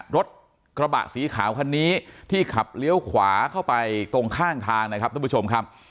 รถกระบะสีขาวคันนี้ที่ขับเลี้ยวขวาเข้าไปตรงข้างทางนะครับท่านผู้ชมครับ